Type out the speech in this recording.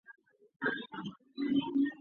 至少车上有暖气